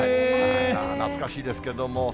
懐かしいですけども。